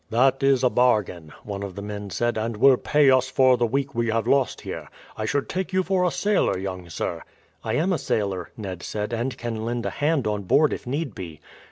"That is a bargain," one of the men said, "and will pay us for the week we have lost here. I should take you for a sailor, young sir." "I am a sailor," Ned said, "and can lend a hand on board if need be."